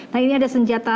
nah ini ada senjata